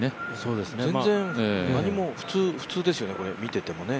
全然何も、普通ですよね、見てても。